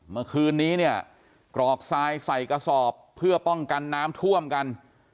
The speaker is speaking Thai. เมื่อคืนนี้เนี่ยกรอกทรายใส่กระสอบเพื่อป้องกันน้ำท่วมกัน